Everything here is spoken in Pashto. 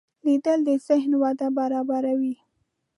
لیدل د ذهن وده برابروي